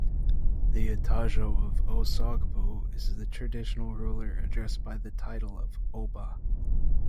The "Ataoja of Osogbo" is the traditional ruler, addressed by the title of "Oba".